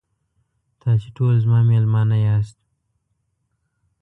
تاسې ټول زما میلمانه یاست.